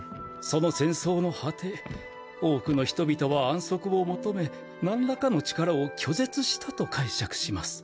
その戦争の果て多くの人々は安息を求めなんらかの力を拒絶したと解釈します。